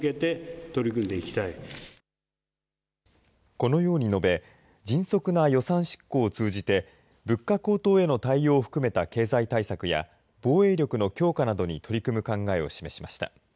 このように述べ迅速な予算執行を通じて物価高騰への対応を含めた経済対策や防衛力の強化などに取り組む考えを示しました。